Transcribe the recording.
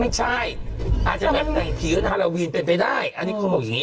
ไม่ใช่อาจจะแม่ในพื้นฮาโลวีนเป็นไปได้อันนี้เขาบอกอย่างนี้